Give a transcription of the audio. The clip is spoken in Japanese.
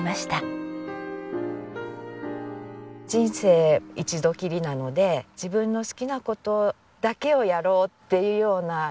人生一度きりなので自分の好きな事だけをやろうっていうような気持ちに。